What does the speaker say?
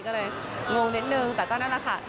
ก็เลยงงนิดหนึ่งแต่ตอนนั้นล่ะค่ะ